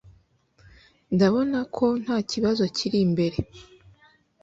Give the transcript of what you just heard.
ndabona ko ntakibazo kiri imbere